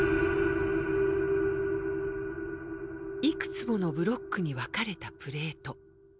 いくつものブロックに分かれたプレート。